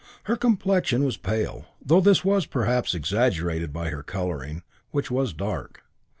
Her complexion was pale, though this was perhaps exaggerated by her colouring, which was dark.